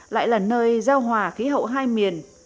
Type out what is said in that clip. lại là nơi giao hòa khí hậu hai miền